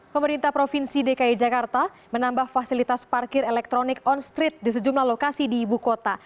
pemerintah provinsi dki jakarta menambah fasilitas parkir elektronik on street di sejumlah lokasi di ibu kota